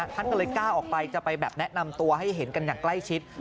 ท่านก็เลยกล้าออกไปจะไปแบบแนะนำตัวให้เห็นกันอย่างใกล้ชิด